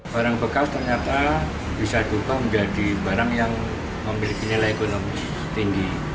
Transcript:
barang bekas ternyata bisa diubah menjadi barang yang memiliki nilai ekonomi tinggi